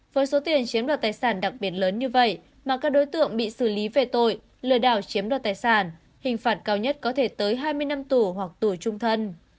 với số tiền chiếm đoạt tài sản đặc biệt lớn như vậy mà các đối tượng bị xử lý về tội lừa đảo chiếm đoạt tài sản hình phạt cao nhất có thể tới hai mươi năm tù hoặc tù trung thân